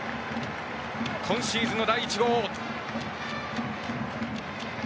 今シーズンの第１号！